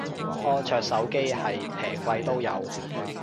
安卓手機係平貴都有